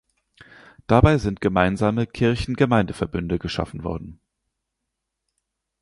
Dabei sind gemeinsame Kirchengemeindeverbünde geschaffen worden.